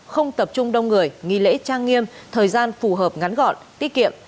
không tập trung đông người nghi lễ trang nghiêm thời gian phù hợp ngắn gọn tiết kiệm